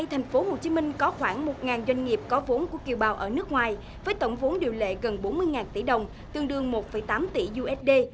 tp hcm có khoảng một doanh nghiệp có vốn của kiều bào ở nước ngoài với tổng vốn điều lệ gần bốn mươi tỷ đồng tương đương một tám tỷ usd